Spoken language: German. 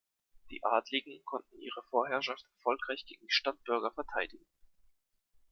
Die Adligen konnten ihre Vorherrschaft erfolgreich gegen die Stadtbürger verteidigen.